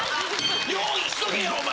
用意しとけやお前！